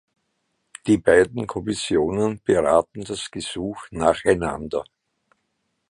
Die beiden Kommissionen beraten das Gesuch nacheinander.